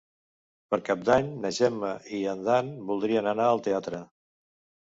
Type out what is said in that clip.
Per Cap d'Any na Gemma i en Dan voldria anar al teatre.